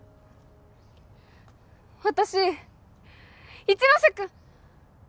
私一ノ瀬君